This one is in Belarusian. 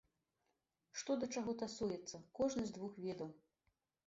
Што да чаго тасуецца, кожны з двух ведаў.